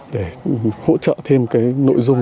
để hỗ trợ thêm cái nội dung